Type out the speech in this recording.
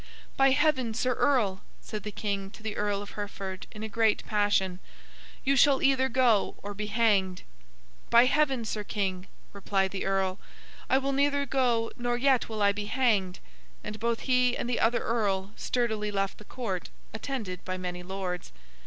'By Heaven, Sir Earl,' said the King to the Earl of Hereford, in a great passion, 'you shall either go or be hanged!' 'By Heaven, Sir King,' replied the Earl, 'I will neither go nor yet will I be hanged!' and both he and the other Earl sturdily left the court, attended by many Lords.